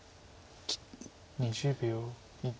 ２０秒。